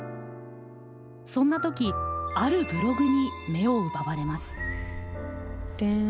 そんな時あるブログに目を奪われます。